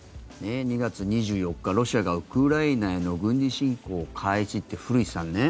２月２４日ロシアがウクライナへの軍事侵攻を開始って古市さんね。